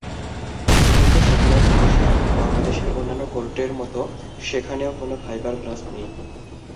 কিন্তু সেখানেও সমস্যা—বাংলাদেশের অন্যান্য কোর্টের মতো সেখানেও কোনো ফাইবার গ্লাস নেই।